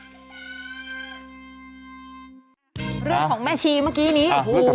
เรื่องของแม่ชีเมื่อกี้นี่โอ้โหเพิ่งแม่ชี